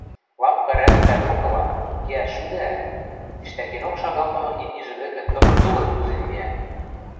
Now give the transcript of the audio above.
лапка рӓдӹвлӓ докыла, кеӓш шӱдӓӓт, тиштакенок шагалтымы имнижы вӹкӹ тывыр-дувыр кузен кеӓ